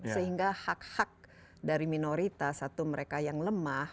sehingga hak hak dari minoritas atau mereka yang lemah